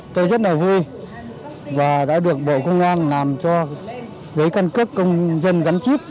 tôi rất là vui và đã được bộ công an làm cho lấy căn cước công dân gắn chip